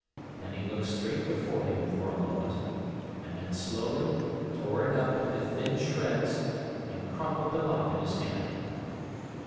Then he looked straight before him for a moment, and then slowly tore it up into thin shreds and crumpled them up in his hand.